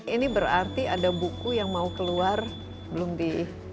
ini berarti ada buku yang mau keluar belum di